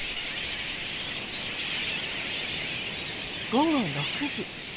午後６時。